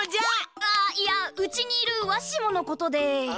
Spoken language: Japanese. ああいやうちにいるわしものことで。